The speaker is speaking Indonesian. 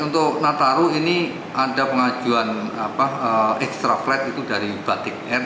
untuk nataru ini ada pengajuan ekstra flight itu dari batik air